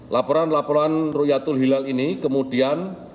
laporan laporan rukyatul hilal ini kemudian